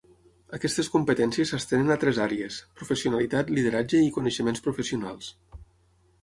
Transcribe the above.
Aquestes competències s'estenen a tres àrees: professionalitat, lideratge i coneixements professionals.